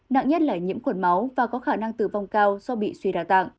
nặng nhất là nhiễm khuẩn máu và có khả năng tử vong cao do bị suy đa tạng